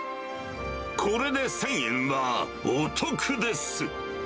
これで１０００円はお得です。